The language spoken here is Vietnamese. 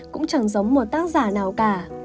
cũng chẳng giống một tác giả nào cả